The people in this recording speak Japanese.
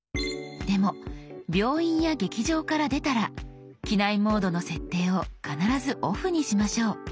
でも病院や劇場から出たら「機内モード」の設定を必ず「ＯＦＦ」にしましょう。